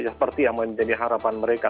seperti yang menjadi harapan mereka